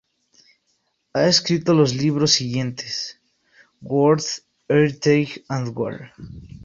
Ha escrito los libros siguientes: "World Heritage and War.